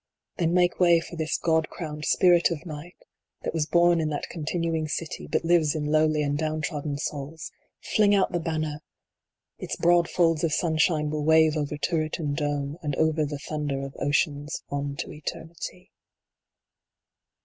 Then make way for this God crowned Spirit of Night, that was born in that Continuing City, but lives in lowly and down trodden souls ! Fling out the banner ! Its broad folds of sunshine will wave over turret and dome, and over the thunder of oceans on to eternity.